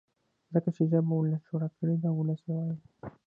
ځکه چي ژبه ولس جوړه کړې ده او ولس يې وايي.